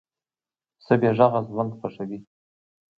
پسه بېغږه ژوند خوښوي.